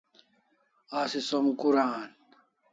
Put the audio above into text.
Asi som kura an?